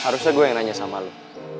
harusnya gue yang nanya sama lo